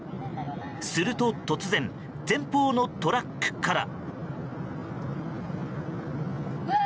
すると、突然前方のトラックから。